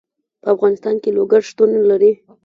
په افغانستان کې لوگر شتون لري.